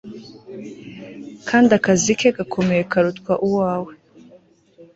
Kandi akazi ke gakomeye karutwa uwawe